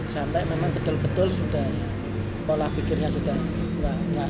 sampai memang betul betul sudah pola pikirnya sudah